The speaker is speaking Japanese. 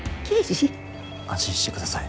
安心して下さい。